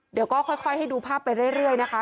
เดี๋ยวก็ค่อยให้ดูภาพไปเรื่อยนะคะ